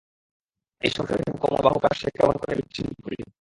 এই সংশয়হীন কোমল বাহুপাশ সে কেমন করিয়া বিচ্ছিন্ন করিবে?